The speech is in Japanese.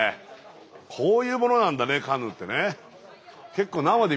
こういうものなんだねカヌーってね。